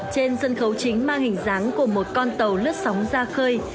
trên sân khấu chính mang hình dáng của một con tàu lướt sóng ra khơi